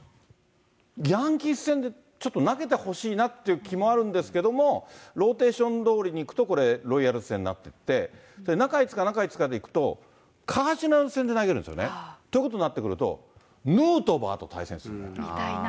ヤンキース戦でちょっと投げてほしいなって気もあるんですけれども、ローテーションどおりにいくとこれ、ロイヤルズ戦になって、中５日、中５日でいくと、カージナルス戦で投げるんですよね。ということになってくると、見たいな。